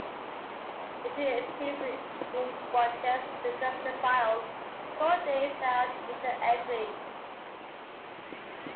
Eitri appears in Jim Butcher's the Dresden Files: Cold Days as Mr Eitri.